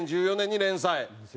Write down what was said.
２０１４年に連載。